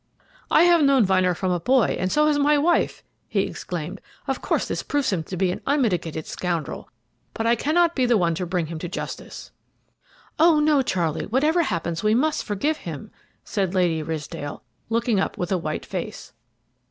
"I have known Vyner from a boy, and so has my wife," he exclaimed. "Of course, this proves him to be an unmitigated scoundrel, but I cannot be the one to bring him to justice." "Oh, no, Charlie, whatever happens we must forgive him," said Lady Ridsdale, looking up with a white face.